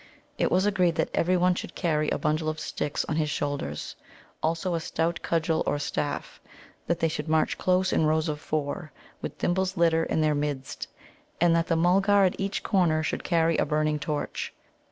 It was agreed that every one should carry a bundle of sticks on his shoulders, also a stout cudgel or staff; that they should march close in rows of four, with Thimble's litter in their midst; and that the Mulgar at each corner should carry a burning torch.